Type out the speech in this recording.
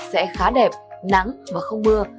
sẽ khá đẹp nắng và không mưa